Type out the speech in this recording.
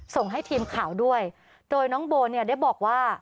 ส่งให้ทีมข่าวด้วยโดยน้องโบเนี่ยได้บอกว่า